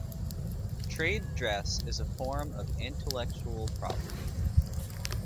Trade dress is a form of intellectual property.